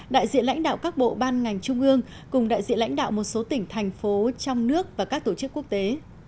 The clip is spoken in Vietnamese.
đại diện lãnh đạo các bộ ban ngành trung ương cùng đại diện lãnh đạo một số tỉnh thành phố trong nước và các tổ chức quốc tế